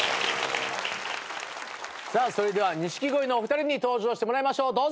さあそれでは錦鯉のお二人に登場してもらいましょう。